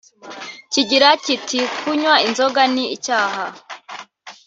kigira kiti “Kunywa inzoga ni icyaha